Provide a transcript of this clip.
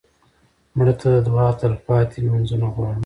مړه ته د دعا تلپاتې لمونځونه غواړو